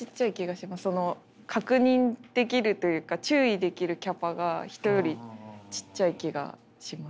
確認できるというか注意できるキャパが人よりちっちゃい気がします。